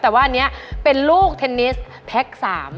แต่ว่าอันนี้เป็นลูกเทนนิสแพ็ค๓